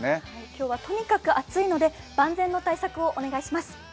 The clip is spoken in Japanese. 今日はとにかく暑いので、万全の対策、お願いします。